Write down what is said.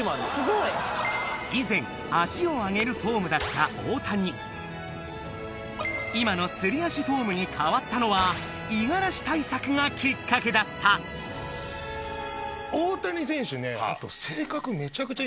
以前足を上げるフォームだった大谷今のすり足フォームに変わったのは五十嵐対策がきっかけだった大谷選手。